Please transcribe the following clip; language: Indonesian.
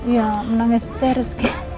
ya menangis teris